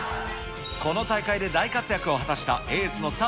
この大会で大活躍を果たしたエースの澤